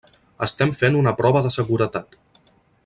Estem fent una prova de seguretat.